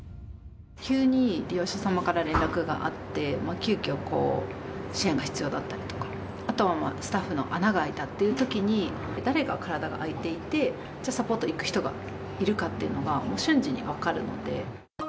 急に利用者様から連絡があって、急きょ支援が必要だったりとか、あとはスタッフの穴が開いたっていうときに、誰が体が空いていて、じゃあサポート行く人がいるかっていうのが瞬時に分かるので。